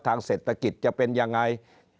ทางเศรษฐกิจจะเป็นอย่างไร